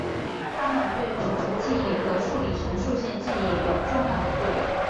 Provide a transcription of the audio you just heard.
它们对储存记忆和处理陈述性记忆有重要的作用。